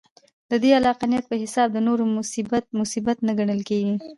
د دې عقلانیت په حساب د نورو مصیبت، مصیبت نه ګڼل کېږي.